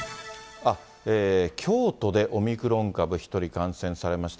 京都でオミクロン株、１人感染されました。